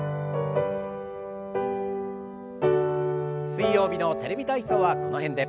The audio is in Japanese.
水曜日の「テレビ体操」はこの辺で。